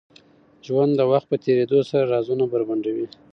ژوند د وخت په تېرېدو سره رازونه بربنډوي.